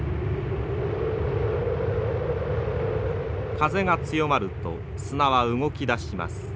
風が強まると砂は動きだします。